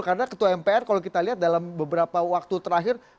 karena ketua mpr kalau kita lihat dalam beberapa waktu terakhir